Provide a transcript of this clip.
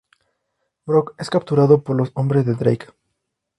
Brock es capturado por los hombres de Drake.